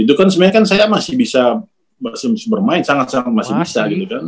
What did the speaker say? itu kan sebenarnya kan saya masih bisa bermain sangat sangat masih bisa gitu kan